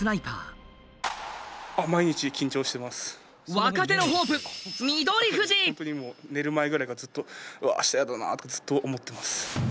若手のホープ寝る前ぐらいからずっと「うわあした嫌だな」ってずっと思ってます。